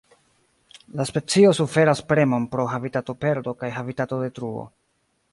La specio suferas premon pro habitatoperdo kaj habitatodetruo.